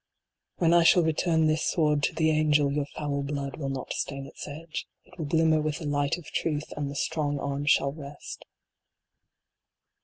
When I shall return this sword to the angel, your foul blood will not stain its edge. It will glimmer with the light of truth, and the strong arm shall rest.